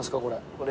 これ。